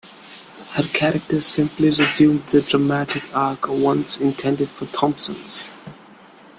Her character simply resumed the dramatic arc once intended for Thompson's.